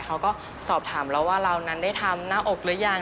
เขาก็สอบถามเราว่าเรานั้นได้ทำหน้าอกหรือยัง